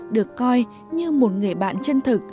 được coi như một người bạn chân thực